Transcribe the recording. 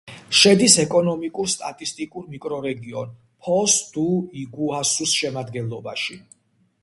შედის ეკონომიკურ-სტატისტიკურ მიკრორეგიონ ფოს-დუ-იგუასუს შემადგენლობაში.